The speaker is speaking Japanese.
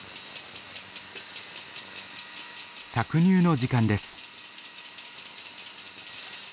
搾乳の時間です。